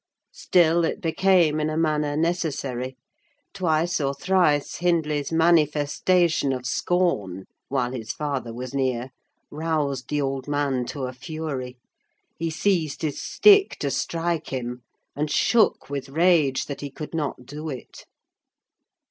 Still it became in a manner necessary; twice, or thrice, Hindley's manifestation of scorn, while his father was near, roused the old man to a fury: he seized his stick to strike him, and shook with rage that he could not do it.